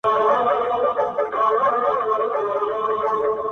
څومره دي ښايست ورباندي ټك واهه.